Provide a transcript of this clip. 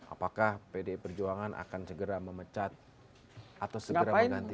apakah pdi perjuangan akan segera memecat atau segera mengganti